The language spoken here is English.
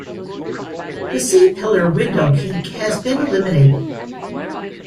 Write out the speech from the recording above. The C-pillar window kink has been eliminated.